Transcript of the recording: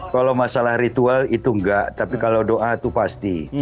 kalau masalah ritual itu enggak tapi kalau doa itu pasti